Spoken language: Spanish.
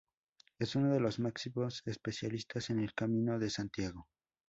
Es uno de los máximos especialistas en el Camino de Santiago.